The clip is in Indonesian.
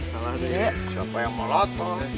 salah nih siapa yang melotot